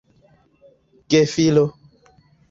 gefilo